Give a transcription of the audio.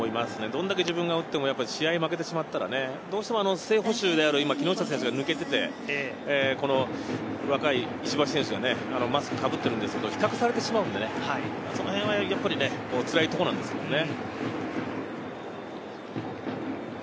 どんだけ自分が打っても試合に負けてしまっては、正捕手である木下選手が抜けて、若い石橋選手がマスクをかぶっているんですけど、比較されてしまうのでね、つらいところなんですよね。